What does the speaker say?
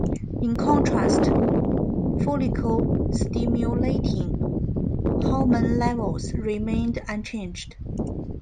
In contrast, follicle-stimulating hormone levels remained unchanged.